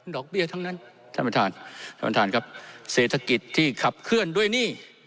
อกเบี้ยทั้งนั้นท่านประธานท่านประธานครับเศรษฐกิจที่ขับเคลื่อนด้วยหนี้